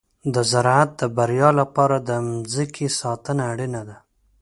د زراعت د بریا لپاره د مځکې ساتنه اړینه ده.